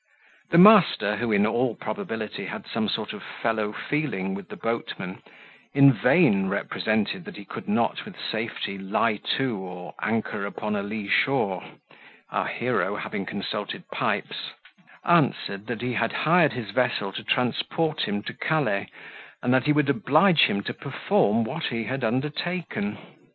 The master, who in all probability had some sort of fellow feeling with the boatmen, in vain represented that he could not with safety lie to or anchor upon a lee shore: our hero, having consulted Pipes, answered, that he had hired his vessel to transport him to Calais, and that he would oblige him to perform what he had undertaken.